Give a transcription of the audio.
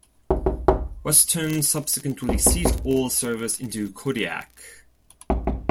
Western subsequently ceased all service into Kodiak.